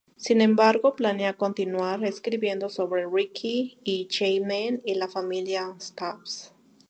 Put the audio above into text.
Sin embargo planea continuar escribiendo sobre Rickey y G-man y la familia Stubbs.